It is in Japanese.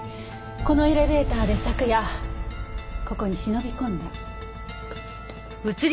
このエレベーターで昨夜ここに忍び込んだ。